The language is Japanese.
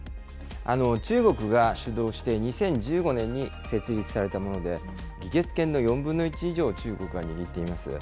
中国が主導している２０１５年に設立されたもので、議決権の４分の１以上を中国が握っています。